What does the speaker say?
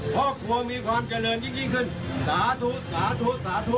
ครอบครัวมีความเจริญยิ่งขึ้นสาธุสาธุสาธุ